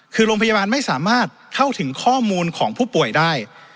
คือโรงพยาบาลไม่สามารถเข้าถึงข้อมูลของผู้ป่วยได้